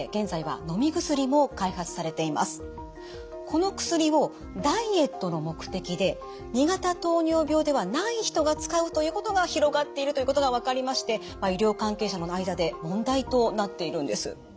この薬をダイエットの目的で２型糖尿病ではない人が使うということが広がっているということが分かりまして医療関係者の間で問題となっているんです。